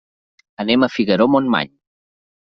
Anem a Figaró-Montmany.